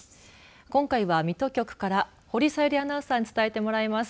今回は水戸局から保里小百合アナウンサーに伝えてもらいます。